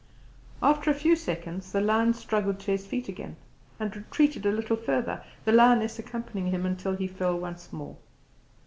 After a few seconds the lion struggled to his feet again and retreated a little further, the lioness accompanying him until he fell once more.